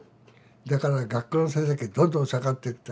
だから学校の成績はどんどん下がっていった。